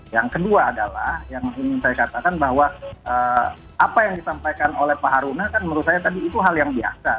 yang kedua adalah yang ingin saya katakan bahwa apa yang disampaikan oleh pak haruna kan menurut saya tadi itu hal yang biasa